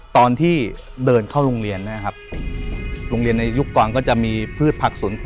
ตอนที่เดินเข้าโรงเรียนนะครับผมโรงเรียนในยุคกรก็จะมีพืชผักสวนครัว